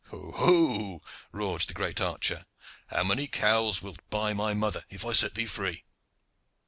"Ho, ho!" roared the great archer. "How many cows wilt buy my mother, if I set thee free?"